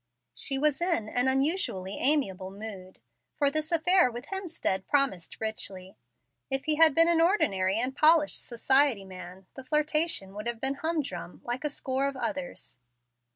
She was in an unusually amiable mood, for this affair with Hemstead promised richly. If he had been an ordinary and polished society man, the flirtation would have been humdrum, like a score of others.